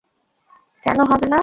কেন হবে না?